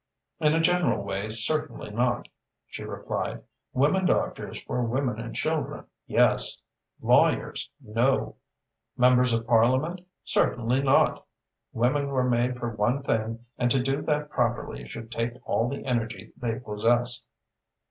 "In a general way, certainly not," she replied. "Women doctors for women and children, yes! Lawyers no! Members of Parliament certainly not! Women were made for one thing and to do that properly should take all the energy they possess."